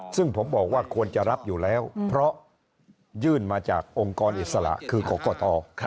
ซึ่งผมบอกว่าควรจะรับอยู่แล้วเพราะยื่นมาจากองค์กรอิสระคือกรกต